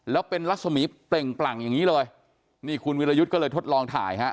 แล้วเป็นรัศมีเปล่งปลั่งอย่างนี้เลยนี่คุณวิรยุทธ์ก็เลยทดลองถ่ายฮะ